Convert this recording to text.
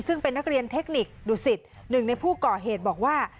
ซึ่งเป็นนักเรียนเทคนิคดุสิตหนึ่งในผู้ก่อเหตุบอกว่า